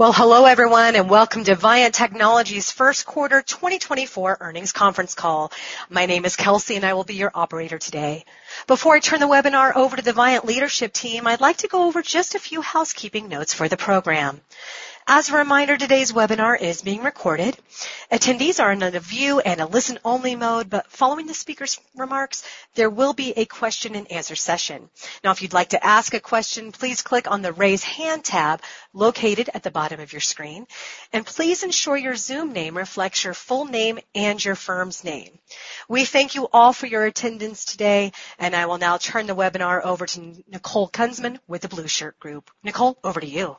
Well, hello everyone, and welcome to Viant Technology's first quarter 2024 earnings conference call. My name is Kelsey, and I will be your operator today. Before I turn the webinar over to the Viant leadership team, I'd like to go over just a few housekeeping notes for the program. As a reminder, today's webinar is being recorded. Attendees are in a view and a listen-only mode, but following the speaker's remarks, there will be a question-and-answer session. Now, if you'd like to ask a question, please click on the raise hand tab located at the bottom of your screen. Please ensure your Zoom name reflects your full name and your firm's name. We thank you all for your attendance today, and I will now turn the webinar over to Nicole Kunsman with the Blueshirt Group. Nicole, over to you.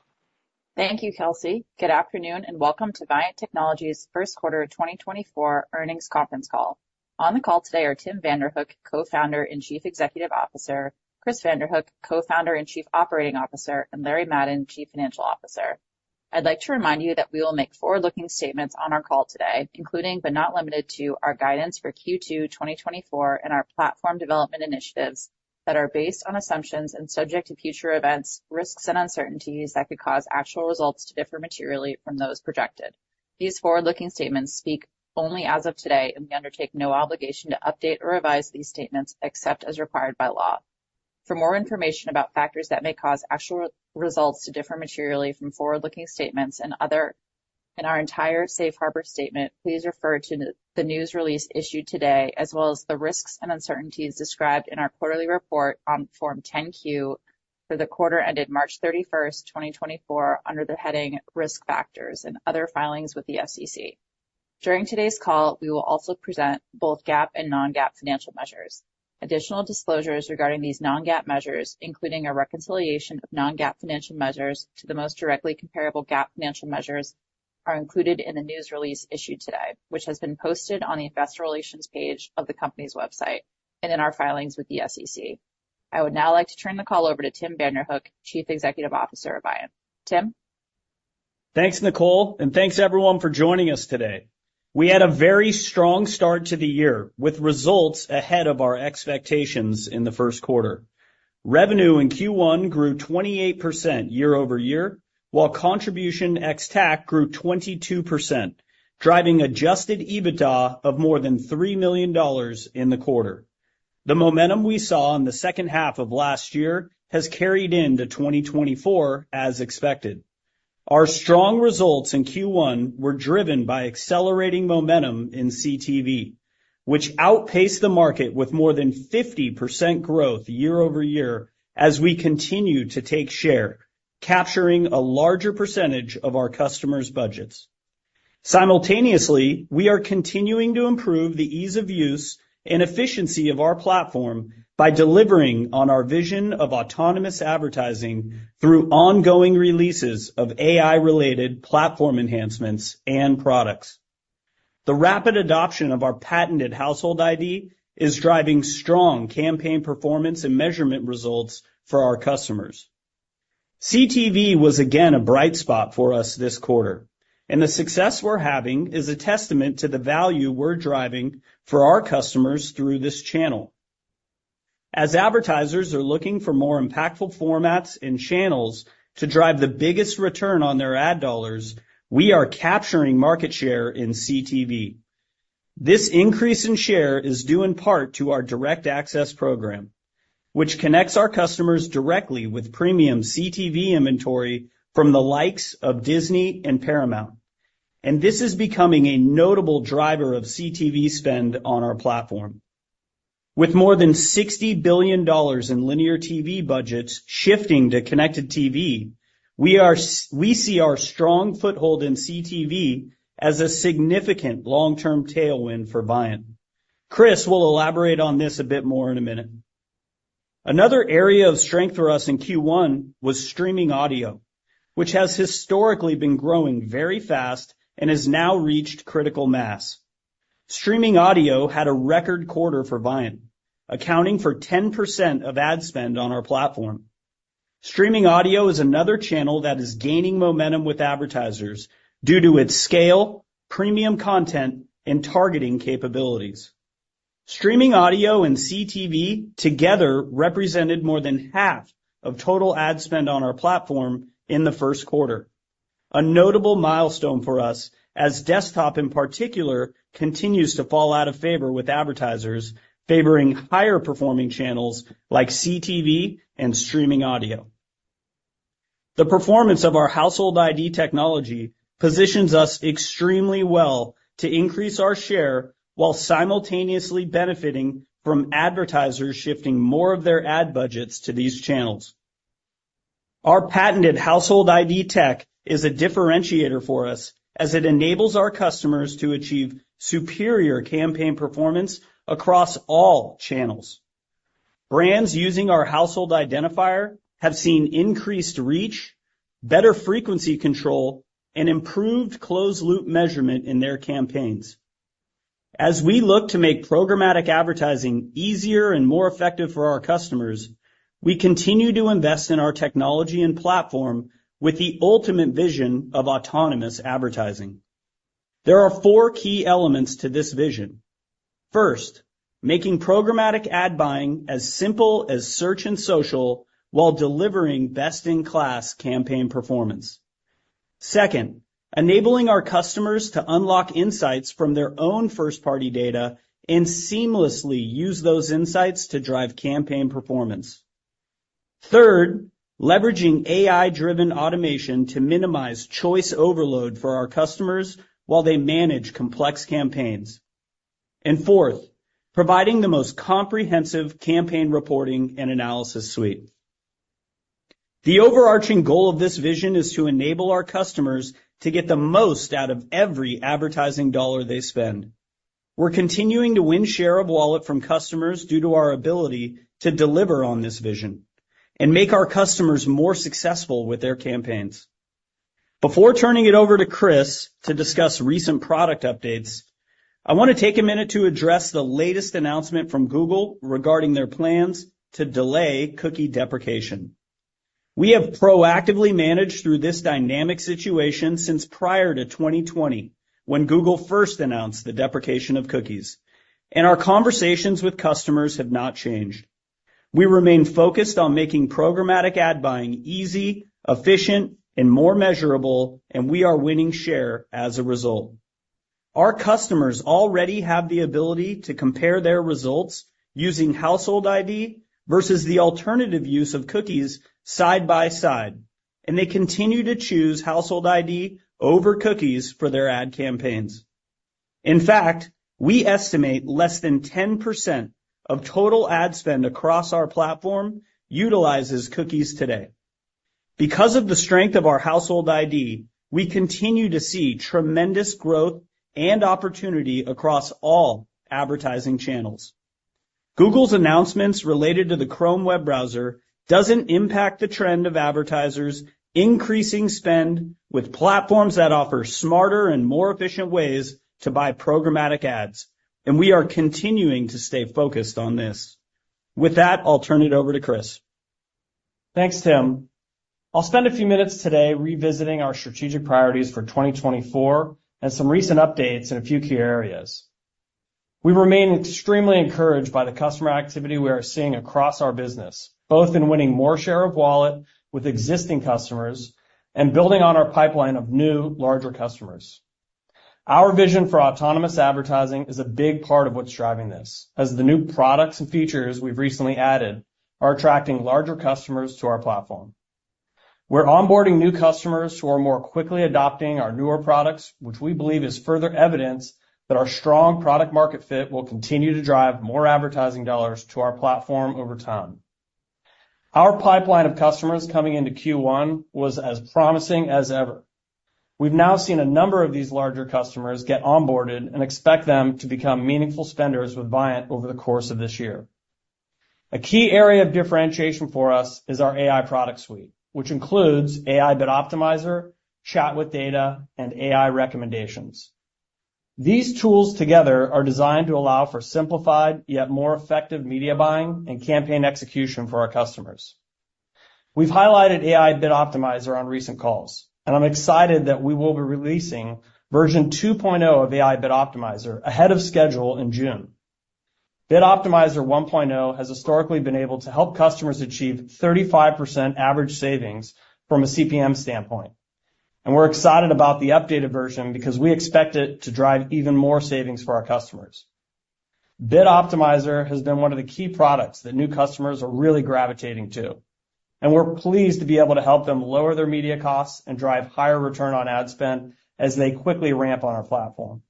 Thank you, Kelsey. Good afternoon, and welcome to Viant Technology's First Quarter 2024 Earnings Conference Call. On the call today are Tim Vanderhook, Co-founder and Chief Executive Officer; Chris Vanderhook, Co-founder and Chief Operating Officer; and Larry Madden, Chief Financial Officer. I'd like to remind you that we will make forward-looking statements on our call today, including but not limited to our guidance for Q2 2024 and our platform development initiatives that are based on assumptions and subject to future events, risks, and uncertainties that could cause actual results to differ materially from those projected. These forward-looking statements speak only as of today, and we undertake no obligation to update or revise these statements except as required by law. For more information about factors that may cause actual results to differ materially from forward-looking statements and other in our entire safe harbor statement, please refer to the news release issued today as well as the risks and uncertainties described in our quarterly report on Form 10-Q for the quarter ended March 31st, 2024, under the heading Risk Factors and Other Filings with the SEC. During today's call, we will also present both GAAP and non-GAAP financial measures. Additional disclosures regarding these non-GAAP measures, including a reconciliation of non-GAAP financial measures to the most directly comparable GAAP financial measures, are included in the news release issued today, which has been posted on the Investor Relations page of the company's website and in our filings with the SEC. I would now like to turn the call over to Tim Vanderhook, Chief Executive Officer of Viant. Tim? Thanks, Nicole, and thanks everyone for joining us today. We had a very strong start to the year with results ahead of our expectations in the first quarter. Revenue in Q1 grew 28% year-over-year, while contribution ex-TAC grew 22%, driving adjusted EBITDA of more than $3 million in the quarter. The momentum we saw in the second half of last year has carried into 2024 as expected. Our strong results in Q1 were driven by accelerating momentum in CTV, which outpaced the market with more than 50% growth year-over-year as we continue to take share, capturing a larger percentage of our customers' budgets. Simultaneously, we are continuing to improve the ease of use and efficiency of our platform by delivering on our vision of autonomous advertising through ongoing releases of AI-related platform enhancements and products. The rapid adoption of our patented Household ID is driving strong campaign performance and measurement results for our customers. CTV was again a bright spot for us this quarter, and the success we're having is a testament to the value we're driving for our customers through this channel. As advertisers are looking for more impactful formats and channels to drive the biggest return on their ad dollars, we are capturing market share in CTV. This increase in share is due in part to our Direct Access program, which connects our customers directly with premium CTV inventory from the likes of Disney and Paramount, and this is becoming a notable driver of CTV spend on our platform. With more than $60 billion in Linear TV budgets shifting to Connected TV, we see our strong foothold in CTV as a significant long-term tailwind for Viant. Chris will elaborate on this a bit more in a minute. Another area of strength for us in Q1 was streaming audio, which has historically been growing very fast and has now reached critical mass. Streaming audio had a record quarter for Viant, accounting for 10% of ad spend on our platform. Streaming audio is another channel that is gaining momentum with advertisers due to its scale, premium content, and targeting capabilities. Streaming audio and CTV together represented more than half of total ad spend on our platform in the first quarter, a notable milestone for us as desktop in particular continues to fall out of favor with advertisers, favoring higher-performing channels like CTV and streaming audio. The performance of our Household ID technology positions us extremely well to increase our share while simultaneously benefiting from advertisers shifting more of their ad budgets to these channels. Our patented Household ID tech is a differentiator for us as it enables our customers to achieve superior campaign performance across all channels. Brands using our household identifier have seen increased reach, better frequency control, and improved closed-loop measurement in their campaigns. As we look to make programmatic advertising easier and more effective for our customers, we continue to invest in our technology and platform with the ultimate vision of autonomous advertising. There are four key elements to this vision. First, making programmatic ad buying as simple as search and social while delivering best-in-class campaign performance. Second, enabling our customers to unlock insights from their own first-party data and seamlessly use those insights to drive campaign performance. Third, leveraging AI-driven automation to minimize choice overload for our customers while they manage complex campaigns. And fourth, providing the most comprehensive campaign reporting and analysis suite. The overarching goal of this vision is to enable our customers to get the most out of every advertising dollar they spend. We're continuing to win share of wallet from customers due to our ability to deliver on this vision and make our customers more successful with their campaigns. Before turning it over to Chris to discuss recent product updates, I want to take a minute to address the latest announcement from Google regarding their plans to delay cookie deprecation. We have proactively managed through this dynamic situation since prior to 2020 when Google first announced the deprecation of cookies, and our conversations with customers have not changed. We remain focused on making programmatic ad buying easy, efficient, and more measurable, and we are winning share as a result. Our customers already have the ability to compare their results using Household ID versus the alternative use of cookies side by side, and they continue to choose Household ID over cookies for their ad campaigns. In fact, we estimate less than 10% of total ad spend across our platform utilizes cookies today. Because of the strength of our Household ID, we continue to see tremendous growth and opportunity across all advertising channels. Google's announcements related to the Chrome web browser doesn't impact the trend of advertisers increasing spend with platforms that offer smarter and more efficient ways to buy programmatic ads, and we are continuing to stay focused on this. With that, I'll turn it over to Chris. Thanks, Tim. I'll spend a few minutes today revisiting our strategic priorities for 2024 and some recent updates in a few key areas. We remain extremely encouraged by the customer activity we are seeing across our business, both in winning more share of wallet with existing customers and building on our pipeline of new, larger customers. Our vision for autonomous advertising is a big part of what's driving this, as the new products and features we've recently added are attracting larger customers to our platform. We're onboarding new customers who are more quickly adopting our newer products, which we believe is further evidence that our strong product-market fit will continue to drive more advertising dollars to our platform over time. Our pipeline of customers coming into Q1 was as promising as ever. We've now seen a number of these larger customers get onboarded and expect them to become meaningful spenders with Viant over the course of this year. A key area of differentiation for us is our AI product suite, which includes AI Bid Optimizer, Chat with Data, and AI Recommendations. These tools together are designed to allow for simplified yet more effective media buying and campaign execution for our customers. We've highlighted AI Bid Optimizer on recent calls, and I'm excited that we will be releasing version 2.0 of AI Bid Optimizer ahead of schedule in June. Bid Optimizer 1.0 has historically been able to help customers achieve 35% average savings from a CPM standpoint, and we're excited about the updated version because we expect it to drive even more savings for our customers. Bid Optimizer has been one of the key products that new customers are really gravitating to, and we're pleased to be able to help them lower their media costs and drive higher return on ad spend as they quickly ramp on our platform.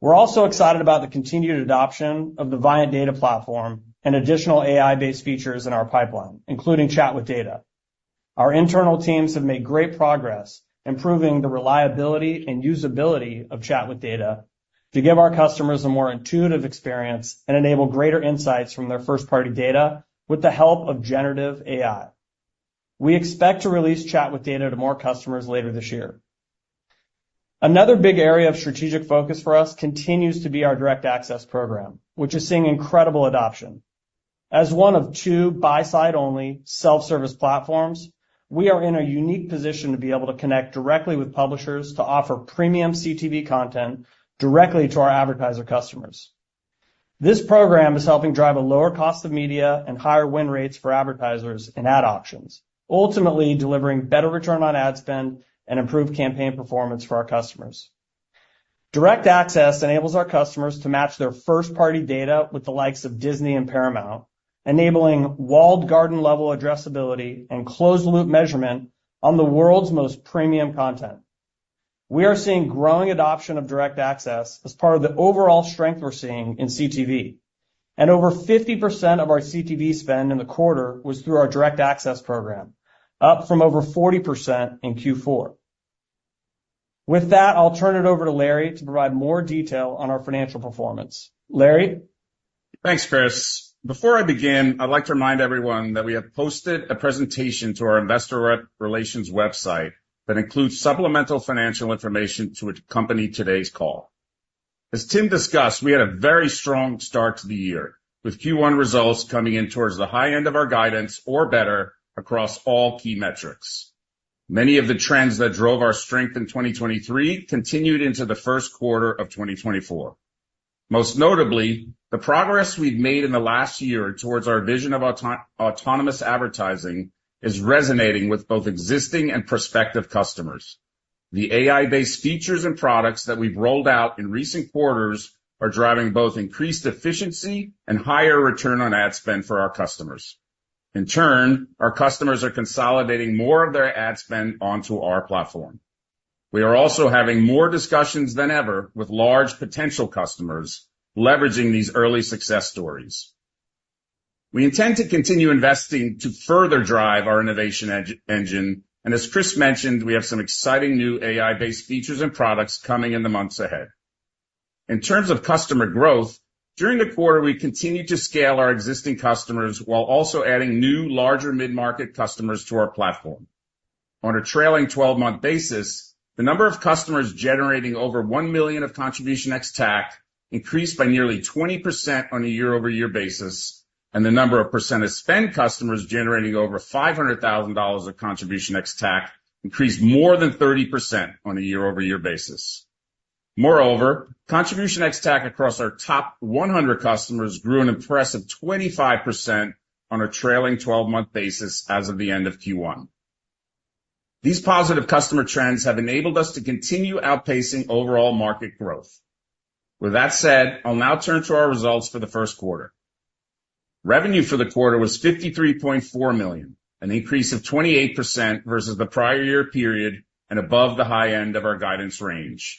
We're also excited about the continued adoption of the Viant Data Platform and additional AI-based features in our pipeline, including Chat with Data. Our internal teams have made great progress improving the reliability and usability of Chat with Data to give our customers a more intuitive experience and enable greater insights from their first-party data with the help of generative AI. We expect to release Chat with Data to more customers later this year. Another big area of strategic focus for us continues to be our Direct Access program, which is seeing incredible adoption. As one of two buy-side-only, self-service platforms, we are in a unique position to be able to connect directly with publishers to offer premium CTV content directly to our advertiser customers. This program is helping drive a lower cost of media and higher win rates for advertisers and ad auctions, ultimately delivering better return on ad spend and improved campaign performance for our customers. Direct Access enables our customers to match their first-party data with the likes of Disney and Paramount, enabling walled garden-level addressability and closed-loop measurement on the world's most premium content. We are seeing growing adoption of Direct Access as part of the overall strength we're seeing in CTV, and over 50% of our CTV spend in the quarter was through our Direct Access program, up from over 40% in Q4. With that, I'll turn it over to Larry to provide more detail on our financial performance. Larry? Thanks, Chris. Before I begin, I'd like to remind everyone that we have posted a presentation to our Investor Relations website that includes supplemental financial information to accompany today's call. As Tim discussed, we had a very strong start to the year, with Q1 results coming in towards the high end of our guidance or better across all key metrics. Many of the trends that drove our strength in 2023 continued into the first quarter of 2024. Most notably, the progress we've made in the last year towards our vision of autonomous advertising is resonating with both existing and prospective customers. The AI-based features and products that we've rolled out in recent quarters are driving both increased efficiency and higher return on ad spend for our customers. In turn, our customers are consolidating more of their ad spend onto our platform. We are also having more discussions than ever with large potential customers leveraging these early success stories. We intend to continue investing to further drive our innovation engine, and as Chris mentioned, we have some exciting new AI-based features and products coming in the months ahead. In terms of customer growth, during the quarter, we continue to scale our existing customers while also adding new, larger mid-market customers to our platform. On a trailing 12-month basis, the number of customers generating over $1 million of contribution ex-TAC increased by nearly 20% on a year-over-year basis, and the number of percentage spend customers generating over $500,000 of contribution ex-TAC increased more than 30% on a year-over-year basis. Moreover, contribution ex-TAC across our top 100 customers grew an impressive 25% on a trailing 12-month basis as of the end of Q1. These positive customer trends have enabled us to continue outpacing overall market growth. With that said, I'll now turn to our results for the first quarter. Revenue for the quarter was $53.4 million, an increase of 28% versus the prior year period and above the high end of our guidance range.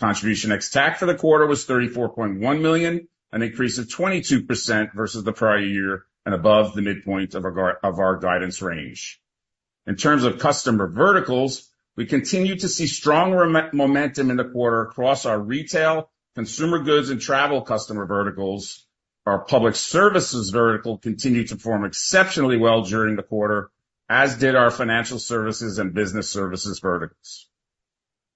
Contribution ex-TAC for the quarter was $34.1 million, an increase of 22% versus the prior year and above the midpoint of our guidance range. In terms of customer verticals, we continue to see strong momentum in the quarter across our retail, consumer goods, and travel customer verticals. Our public services vertical continued to perform exceptionally well during the quarter, as did our financial services and business services verticals.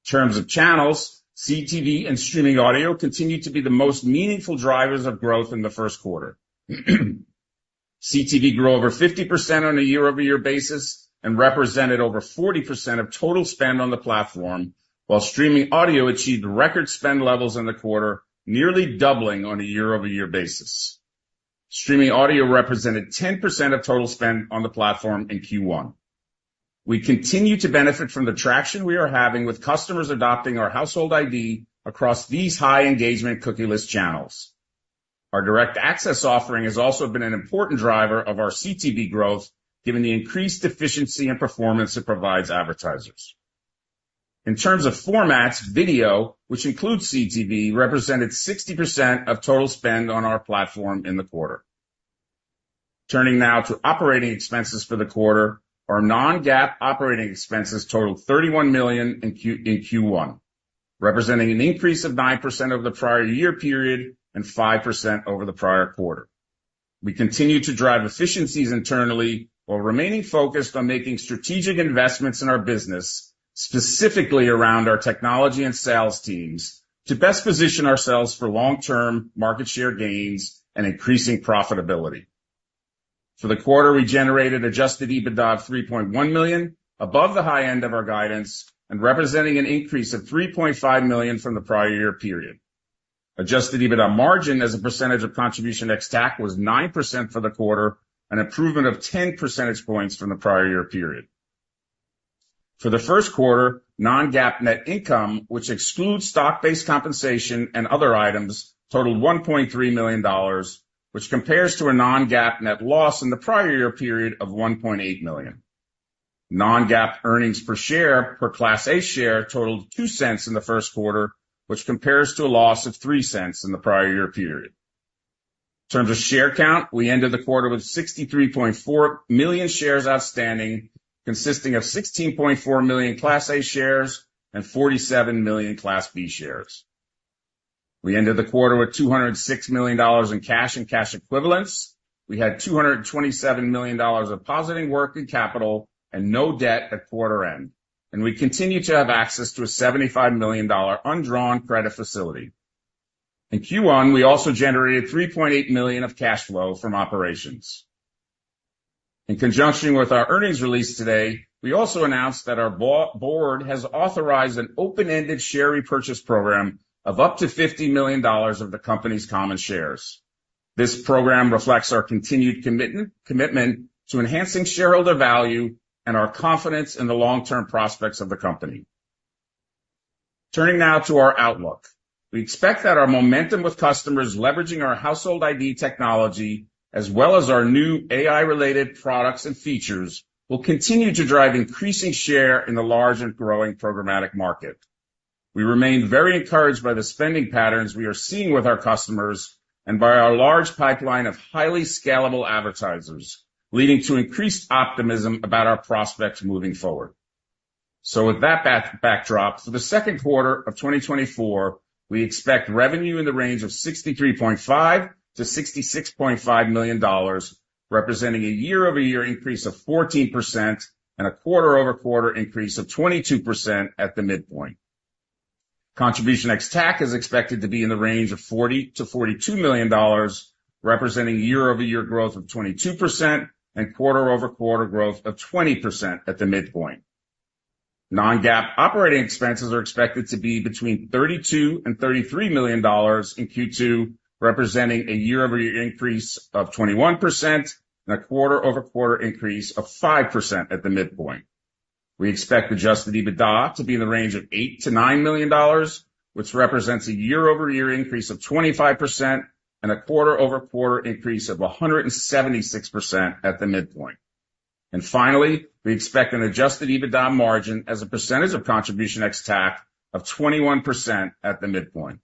In terms of channels, CTV and streaming audio continued to be the most meaningful drivers of growth in the first quarter. CTV grew over 50% on a year-over-year basis and represented over 40% of total spend on the platform, while streaming audio achieved record spend levels in the quarter, nearly doubling on a year-over-year basis. Streaming audio represented 10% of total spend on the platform in Q1. We continue to benefit from the traction we are having with customers adopting our Household ID across these high-engagement cookieless channels. Our Direct Access offering has also been an important driver of our CTV growth, given the increased efficiency and performance it provides advertisers. In terms of formats, video, which includes CTV, represented 60% of total spend on our platform in the quarter. Turning now to operating expenses for the quarter, our non-GAAP operating expenses totaled $31 million in Q1, representing an increase of 9% over the prior year period and 5% over the prior quarter. We continue to drive efficiencies internally while remaining focused on making strategic investments in our business, specifically around our technology and sales teams, to best position ourselves for long-term market share gains and increasing profitability. For the quarter, we generated adjusted EBITDA of $3.1 million, above the high end of our guidance and representing an increase of $3.5 million from the prior year period. Adjusted EBITDA margin as a percentage of contribution ex-TAC was 9% for the quarter, an improvement of 10 percentage points from the prior year period. For the first quarter, non-GAAP net income, which excludes stock-based compensation and other items, totaled $1.3 million, which compares to a non-GAAP net loss in the prior year period of $1.8 million. Non-GAAP earnings per share per Class A share totaled $0.02 in the first quarter, which compares to a loss of $0.03 in the prior year period. In terms of share count, we ended the quarter with 63.4 million shares outstanding, consisting of 16.4 million Class A shares and 47 million Class B shares. We ended the quarter with $206 million in cash and cash equivalents. We had $227 million in deposits, working capital and no debt at quarter end, and we continue to have access to a $75 million undrawn credit facility. In Q1, we also generated $3.8 million of cash flow from operations. In conjunction with our earnings release today, we also announced that our board has authorized an open-ended share repurchase program of up to $50 million of the company's common shares. This program reflects our continued commitment to enhancing shareholder value and our confidence in the long-term prospects of the company. Turning now to our outlook, we expect that our momentum with customers leveraging our Household ID technology as well as our new AI-related products and features will continue to drive increasing share in the large and growing programmatic market. We remain very encouraged by the spending patterns we are seeing with our customers and by our large pipeline of highly scalable advertisers, leading to increased optimism about our prospects moving forward. So with that backdrop, for the second quarter of 2024, we expect revenue in the range of $63.5-$66.5 million, representing a year-over-year increase of 14% and a quarter-over-quarter increase of 22% at the midpoint. Contribution ex-TAC is expected to be in the range of $40-$42 million, representing year-over-year growth of 22% and quarter-over-quarter growth of 20% at the midpoint. Non-GAAP operating expenses are expected to be between $32-$33 million in Q2, representing a year-over-year increase of 21% and a quarter-over-quarter increase of 5% at the midpoint. We expect adjusted EBITDA to be in the range of $8-$9 million, which represents a year-over-year increase of 25% and a quarter-over-quarter increase of 176% at the midpoint. And finally, we expect an adjusted EBITDA margin as a percentage of contribution ex-TAC of 21% at the midpoint.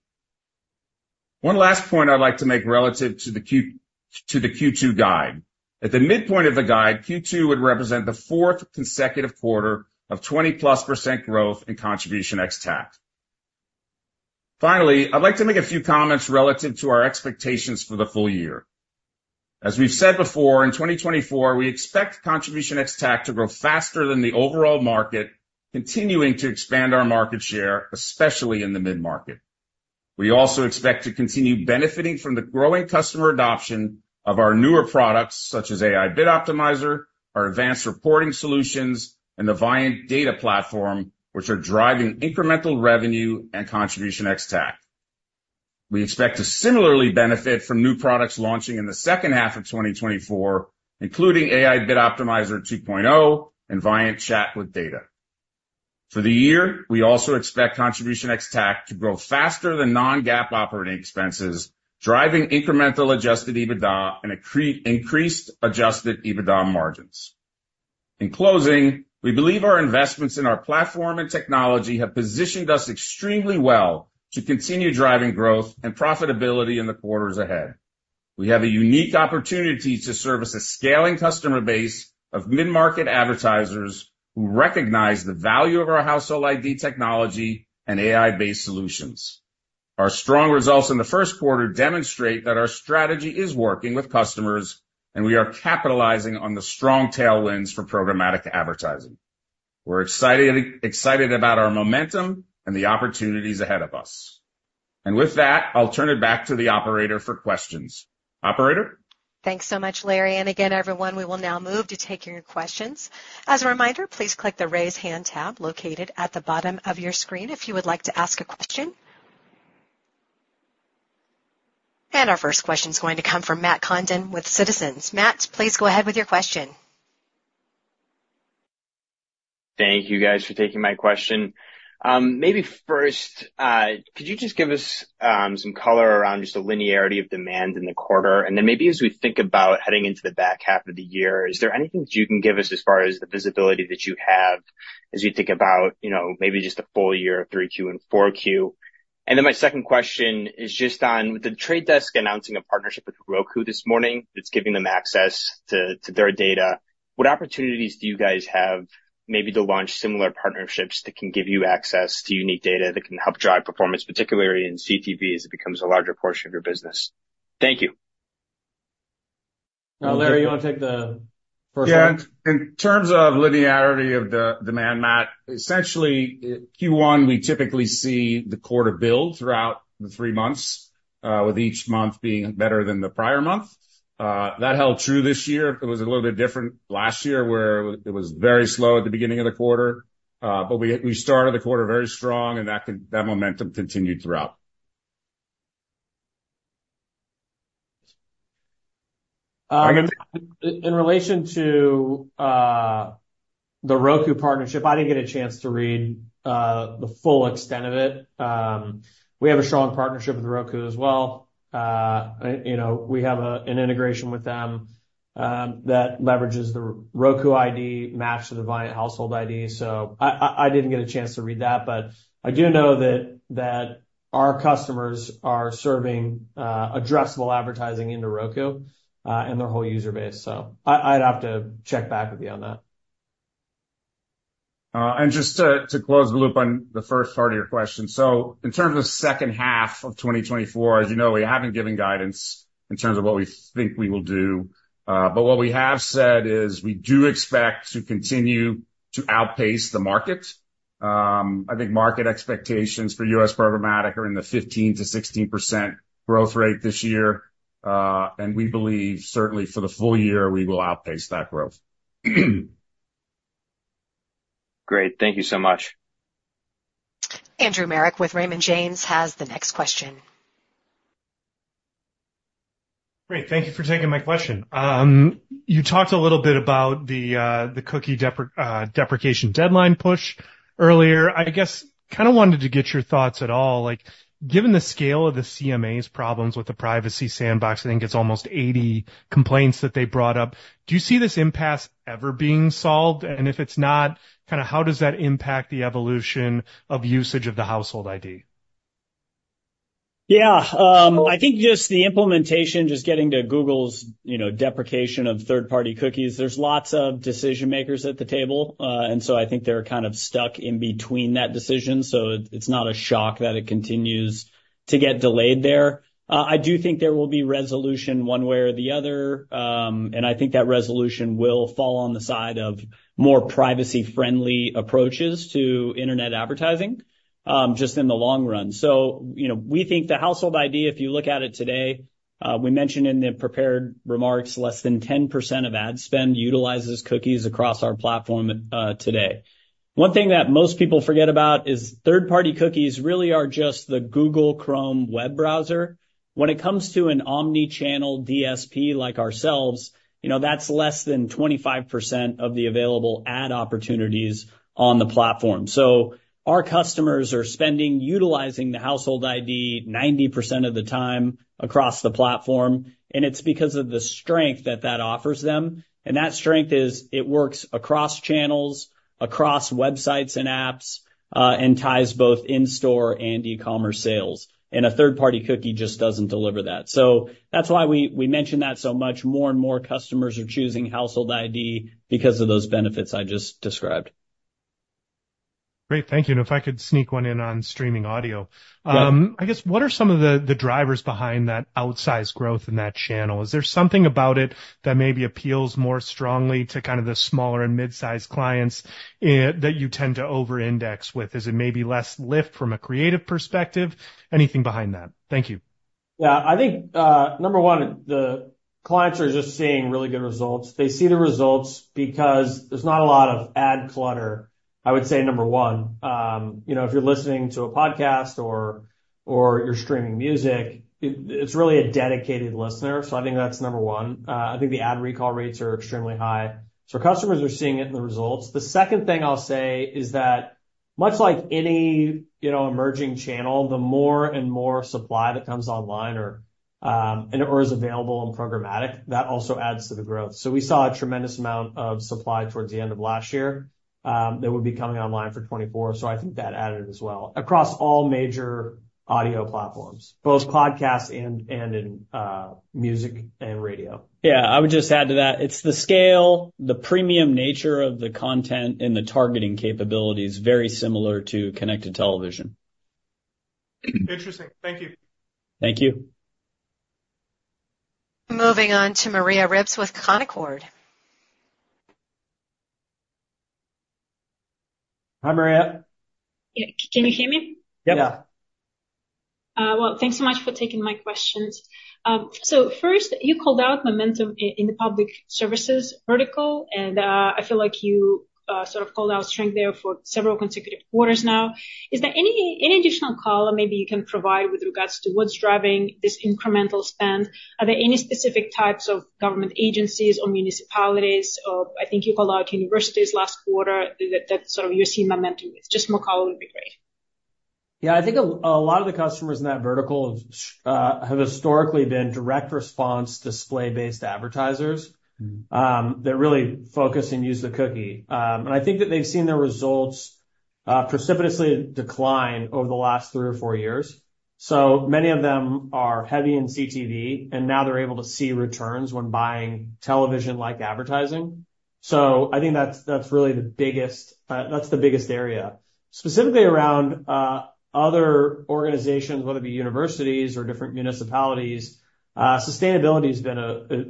One last point I'd like to make relative to the Q2 guide. At the midpoint of the guide, Q2 would represent the fourth consecutive quarter of 20%+ growth in contribution ex-TAC. Finally, I'd like to make a few comments relative to our expectations for the full year. As we've said before, in 2024, we expect contribution ex-TAC to grow faster than the overall market, continuing to expand our market share, especially in the mid-market. We also expect to continue benefiting from the growing customer adoption of our newer products such as AI Bid Optimizer, our advanced reporting solutions, and the Viant Data Platform, which are driving incremental revenue and contribution ex-TAC. We expect to similarly benefit from new products launching in the second half of 2024, including AI Bid Optimizer 2.0 and Viant Chat with Data. For the year, we also expect contribution ex-TAC to grow faster than non-GAAP operating expenses, driving incremental adjusted EBITDA and increased adjusted EBITDA margins. In closing, we believe our investments in our platform and technology have positioned us extremely well to continue driving growth and profitability in the quarters ahead. We have a unique opportunity to service a scaling customer base of mid-market advertisers who recognize the value of our Household ID technology and AI-based solutions. Our strong results in the first quarter demonstrate that our strategy is working with customers, and we are capitalizing on the strong tailwinds for programmatic advertising. We're excited about our momentum and the opportunities ahead of us. And with that, I'll turn it back to the operator for questions. Operator? Thanks so much, Larry. And again, everyone, we will now move to take your questions. As a reminder, please click the Raise Hand tab located at the bottom of your screen if you would like to ask a question. And our first question is going to come from Matt Condon with Citizens. Matt, please go ahead with your question. Thank you, guys, for taking my question. Maybe first, could you just give us some color around just the linearity of demand in the quarter? And then maybe as we think about heading into the back half of the year, is there anything you can give us as far as the visibility that you have as you think about maybe just the full year of 3Q and 4Q? And then my second question is just on with The Trade Desk announcing a partnership with Roku this morning that's giving them access to their data, what opportunities do you guys have maybe to launch similar partnerships that can give you access to unique data that can help drive performance, particularly in CTV as it becomes a larger portion of your business? Thank you. Larry, you want to take the first one? Yeah. In terms of linearity of the demand, Matt, essentially, Q1, we typically see the quarter build throughout the three months, with each month being better than the prior month. That held true this year. It was a little bit different last year where it was very slow at the beginning of the quarter. But we started the quarter very strong, and that momentum continued throughout. In relation to the Roku partnership, I didn't get a chance to read the full extent of it. We have a strong partnership with Roku as well. We have an integration with them that leverages the Roku ID match to the Viant Household ID. So I didn't get a chance to read that. But I do know that our customers are serving addressable advertising into Roku and their whole user base. So I'd have to check back with you on that. Just to close the loop on the first part of your question. So in terms of the second half of 2024, as you know, we haven't given guidance in terms of what we think we will do. But what we have said is we do expect to continue to outpace the market. I think market expectations for U.S. programmatic are in the 15%-16% growth rate this year. And we believe, certainly, for the full year, we will outpace that growth. Great. Thank you so much. Andrew Marok with Raymond James has the next question. Great. Thank you for taking my question. You talked a little bit about the cookie deprecation deadline push earlier. I guess kind of wanted to get your thoughts at all. Given the scale of the CMA's problems with the Privacy Sandbox, I think it's almost 80 complaints that they brought up. Do you see this impasse ever being solved? And if it's not, kind of how does that impact the evolution of usage of the Household ID? Yeah. I think just the implementation, just getting to Google's deprecation of third-party cookies, there's lots of decision-makers at the table. And so I think they're kind of stuck in between that decision. So it's not a shock that it continues to get delayed there. I do think there will be resolution one way or the other. And I think that resolution will fall on the side of more privacy-friendly approaches to internet advertising just in the long run. So we think the Household ID, if you look at it today, we mentioned in the prepared remarks, less than 10% of ad spend utilizes cookies across our platform today. One thing that most people forget about is third-party cookies really are just the Google Chrome web browser. When it comes to an omnichannel DSP like ourselves, that's less than 25% of the available ad opportunities on the platform. Our customers are spending utilizing the Household ID 90% of the time across the platform. It's because of the strength that that offers them. That strength is it works across channels, across websites and apps, and ties both in-store and e-commerce sales. A third-party cookie just doesn't deliver that. That's why we mention that so much. More and more customers are choosing Household ID because of those benefits I just described. Great. Thank you. And if I could sneak one in on streaming audio. I guess what are some of the drivers behind that outsized growth in that channel? Is there something about it that maybe appeals more strongly to kind of the smaller and midsize clients that you tend to over-index with? Is it maybe less lift from a creative perspective? Anything behind that? Thank you. Yeah. I think, number one, the clients are just seeing really good results. They see the results because there's not a lot of ad clutter, I would say, number one. If you're listening to a podcast or you're streaming music, it's really a dedicated listener. So I think that's number one. I think the ad recall rates are extremely high. So customers are seeing it in the results. The second thing I'll say is that much like any emerging channel, the more and more supply that comes online or is available in programmatic, that also adds to the growth. So we saw a tremendous amount of supply towards the end of last year that would be coming online for 2024. So I think that added as well across all major audio platforms, both podcasts and in music and radio. Yeah. I would just add to that, it's the scale, the premium nature of the content, and the targeting capability is very similar to Connected television. Interesting. Thank you. Thank you. Moving on to Maria Ripps with Canaccord. Hi, Maria. Can you hear me? Yep. Yeah. Well, thanks so much for taking my questions. So first, you called out momentum in the public services vertical, and I feel like you sort of called out strength there for several consecutive quarters now. Is there any additional color maybe you can provide with regards to what's driving this incremental spend? Are there any specific types of government agencies or municipalities? I think you called out universities last quarter that sort of you're seeing momentum with. Just more color would be great. Yeah. I think a lot of the customers in that vertical have historically been direct response display-based advertisers that really focus and use the cookie. And I think that they've seen their results precipitously decline over the last three or four years. So many of them are heavy in CTV, and now they're able to see returns when buying television-like advertising. So I think that's really the biggest that's the biggest area. Specifically around other organizations, whether it be universities or different municipalities, sustainability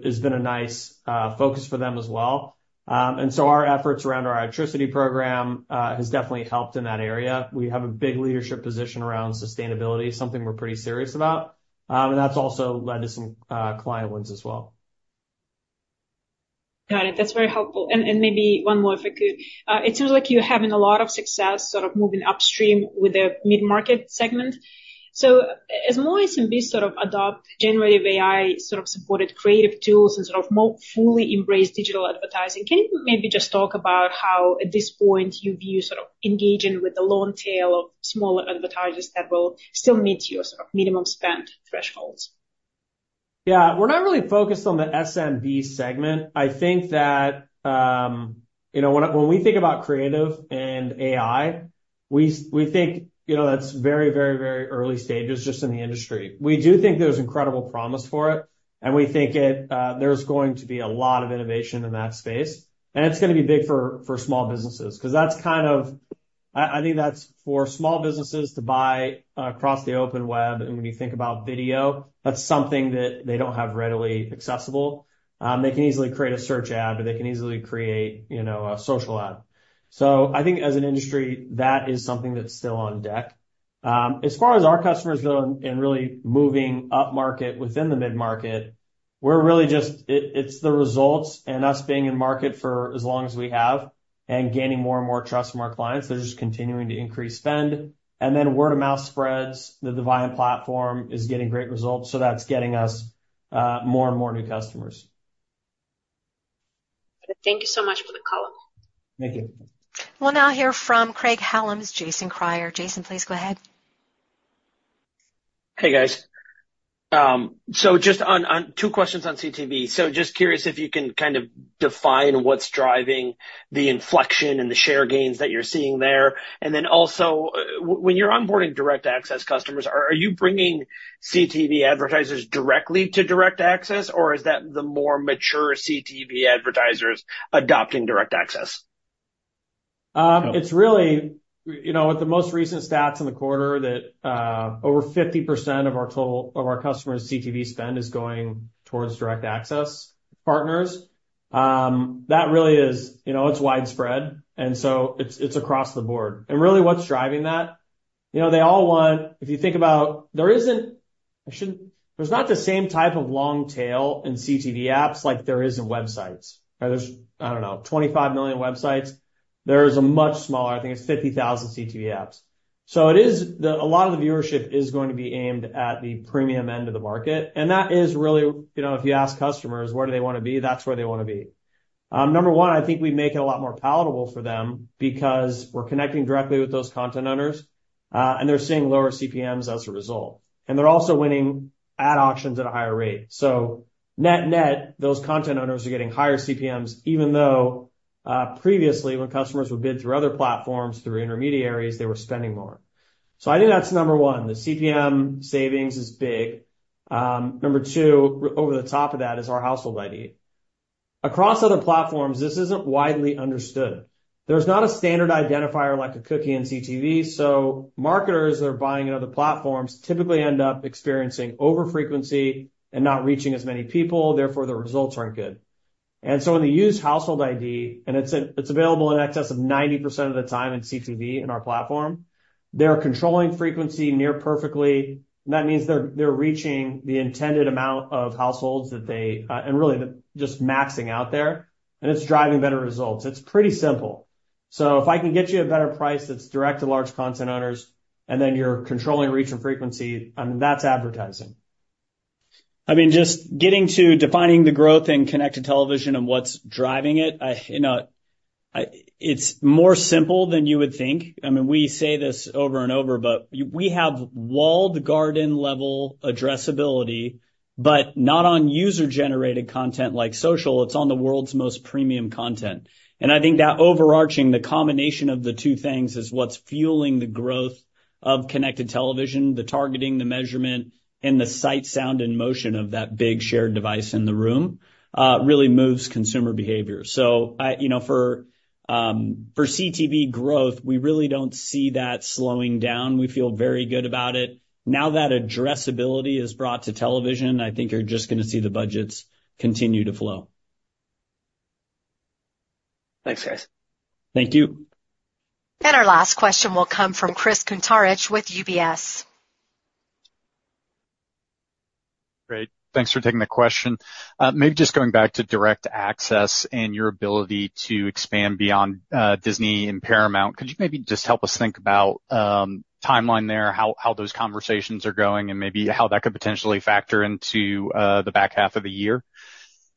has been a nice focus for them as well. And so our efforts around our electricity program have definitely helped in that area. We have a big leadership position around sustainability, something we're pretty serious about. And that's also led to some client wins as well. Got it. That's very helpful. And maybe one more, if I could. It seems like you're having a lot of success sort of moving upstream with the mid-market segment. So as more SMBs sort of adopt generative AI-supported creative tools and sort of more fully embrace digital advertising, can you maybe just talk about how, at this point, you view sort of engaging with the long tail of smaller advertisers that will still meet your sort of minimum spend thresholds? Yeah. We're not really focused on the SMB segment. I think that when we think about creative and AI, we think that's very, very, very early stages just in the industry. We do think there's incredible promise for it, and we think there's going to be a lot of innovation in that space. And it's going to be big for small businesses because that's kind of I think that's for small businesses to buy across the open web. And when you think about video, that's something that they don't have readily accessible. They can easily create a search ad, or they can easily create a social ad. So I think, as an industry, that is something that's still on deck. As far as our customers, though, and really moving up market within the mid-market, we're really just it's the results and us being in market for as long as we have and gaining more and more trust from our clients. They're just continuing to increase spend. And then word-of-mouth spreads, the Viant platform is getting great results. So that's getting us more and more new customers. Thank you so much for the call. Thank you. We'll now hear from Craig-Hallum, Jason Kreyer. Jason, please go ahead. Hey, guys. So just two questions on CTV. So just curious if you can kind of define what's driving the inflection and the share gains that you're seeing there. And then also, when you're onboarding Direct Access customers, are you bringing CTV advertisers directly to Direct Access, or is that the more mature CTV advertisers adopting Direct Access? It's really with the most recent stats in the quarter that over 50% of our total of our customers' CTV spend is going towards Direct Access partners. That really is; it's widespread. And so it's across the board. And really, what's driving that? They all want if you think about there isn't there's not the same type of long tail in CTV apps like there is in websites. There's, I don't know, 25 million websites. There is a much smaller; I think it's 50,000 CTV apps. So a lot of the viewership is going to be aimed at the premium end of the market. And that is really if you ask customers, where do they want to be? That's where they want to be. Number one, I think we make it a lot more palatable for them because we're connecting directly with those content owners, and they're seeing lower CPMs as a result. And they're also winning ad auctions at a higher rate. So net-net, those content owners are getting higher CPMs, even though previously, when customers would bid through other platforms, through intermediaries, they were spending more. So I think that's number one. The CPM savings is big. Number two, over the top of that, is our Household ID. Across other platforms, this isn't widely understood. There's not a standard identifier like a cookie in CTV. So marketers that are buying in other platforms typically end up experiencing overfrequency and not reaching as many people. Therefore, the results aren't good. And so when they use Household ID, and it's available in excess of 90% of the time in CTV in our platform, they're controlling frequency near perfectly. And that means they're reaching the intended amount of households that they and really just maxing out there. And it's driving better results. It's pretty simple. So if I can get you a better price that's direct to large content owners, and then you're controlling reach and frequency, I mean, that's advertising. I mean, just getting to defining the growth in connected television and what's driving it, it's more simple than you would think. I mean, we say this over and over, but we have walled garden-level addressability, but not on user-generated content like social. It's on the world's most premium content. And I think that overarching, the combination of the two things is what's fueling the growth of connected television. The targeting, the measurement, and the sight, sound, and motion of that big shared device in the room really moves consumer behavior. So for CTV growth, we really don't see that slowing down. We feel very good about it. Now that addressability is brought to television, I think you're just going to see the budgets continue to flow. Thanks, guys. Thank you. Our last question will come from Chris Kuntarich with UBS. Great. Thanks for taking the question. Maybe just going back to direct access and your ability to expand beyond Disney and Paramount, could you maybe just help us think about timeline there, how those conversations are going, and maybe how that could potentially factor into the back half of the year?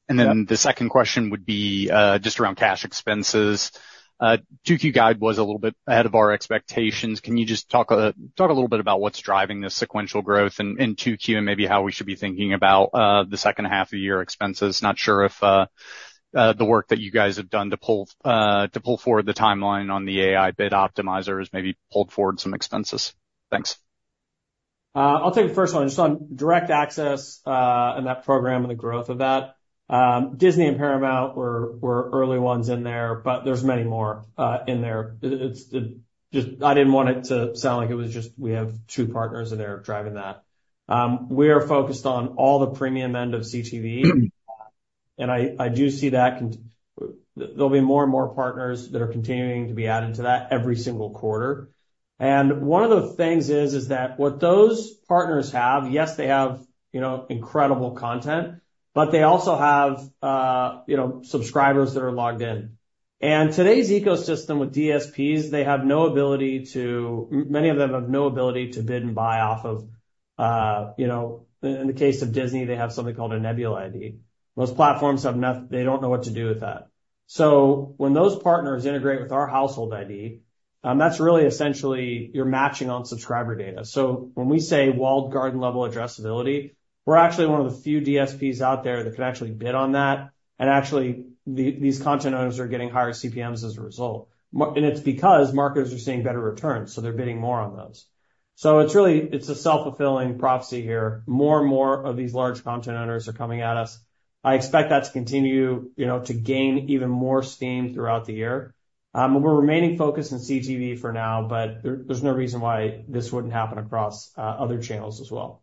And then the second question would be just around cash expenses. 2Q Guide was a little bit ahead of our expectations. Can you just talk a little bit about what's driving this sequential growth in 2Q and maybe how we should be thinking about the second half of the year expenses? Not sure if the work that you guys have done to pull forward the timeline on the AI bid optimizer has maybe pulled forward some expenses. Thanks. I'll take the first one. Just on Direct Access and that program and the growth of that. Disney and Paramount, we're early ones in there, but there's many more in there. I didn't want it to sound like it was just we have two partners, and they're driving that. We are focused on all the premium end of CTV. And I do see that there'll be more and more partners that are continuing to be added to that every single quarter. And one of the things is that what those partners have, yes, they have incredible content, but they also have subscribers that are logged in. And today's ecosystem with DSPs, they have no ability to. Many of them have no ability to bid and buy off of. In the case of Disney, they have something called a Nebula ID. Most platforms have nothing they don't know what to do with that. So when those partners integrate with our Household ID, that's really essentially you're matching on subscriber data. So when we say walled garden-level addressability, we're actually one of the few DSPs out there that can actually bid on that. And actually, these content owners are getting higher CPMs as a result. And it's because marketers are seeing better returns. So they're bidding more on those. So it's a self-fulfilling prophecy here. More and more of these large content owners are coming at us. I expect that to continue to gain even more steam throughout the year. We're remaining focused on CTV for now, but there's no reason why this wouldn't happen across other channels as well.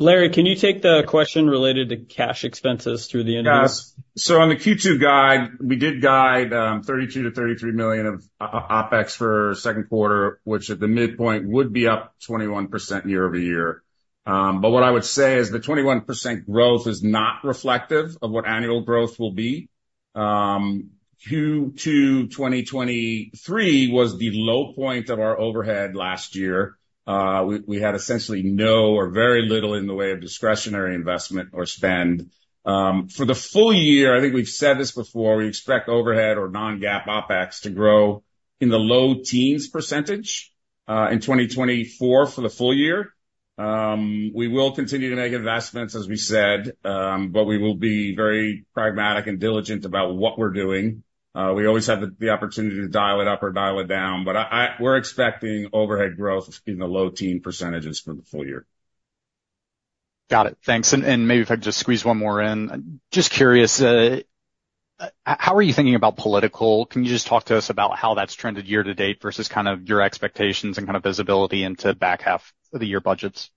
Larry, can you take the question related to cash expenses through the interview? Yes. So on the Q2 guide, we did guide $32 million-$33 million of OpEx for second quarter, which at the midpoint would be up 21% year-over-year. But what I would say is the 21% growth is not reflective of what annual growth will be. Q2 2023 was the low point of our overhead last year. We had essentially no or very little in the way of discretionary investment or spend. For the full year, I think we've said this before, we expect overhead or non-GAAP OpEx to grow in the low teens % in 2024 for the full year. We will continue to make investments, as we said, but we will be very pragmatic and diligent about what we're doing. We always have the opportunity to dial it up or dial it down. But we're expecting overhead growth in the low teens % for the full year. Got it. Thanks. And maybe if I could just squeeze one more in. Just curious, how are you thinking about political? Can you just talk to us about how that's trended year to date versus kind of your expectations and kind of visibility into back half of the year budgets? Yeah.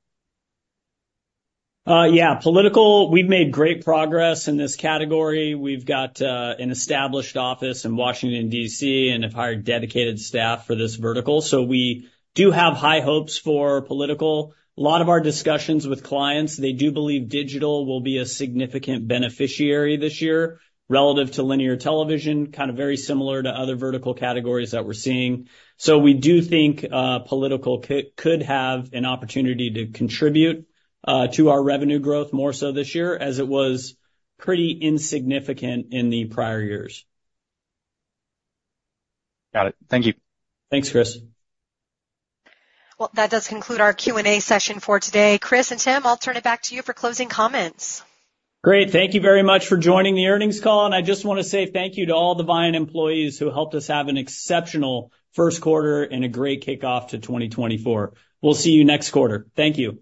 Political, we've made great progress in this category. We've got an established office in Washington, D.C., and have hired dedicated staff for this vertical. So we do have high hopes for political. A lot of our discussions with clients, they do believe digital will be a significant beneficiary this year relative to linear television, kind of very similar to other vertical categories that we're seeing. So we do think political could have an opportunity to contribute to our revenue growth more so this year as it was pretty insignificant in the prior years. Got it. Thank you. Thanks, Chris. Well, that does conclude our Q&A session for today. Chris and Tim, I'll turn it back to you for closing comments. Great. Thank you very much for joining the earnings call. I just want to say thank you to all the Viant employees who helped us have an exceptional first quarter and a great kickoff to 2024. We'll see you next quarter. Thank you.